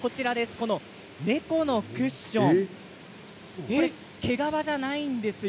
猫のクッション毛皮じゃないんですよ。